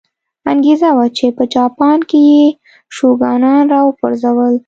انګېزه وه چې په جاپان کې یې شوګانان را وپرځول.